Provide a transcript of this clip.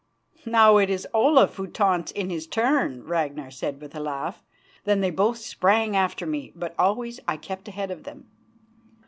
"Now it is Olaf who taunts in his turn," said Ragnar with a laugh. Then they both sprang after me, but always I kept ahead of them.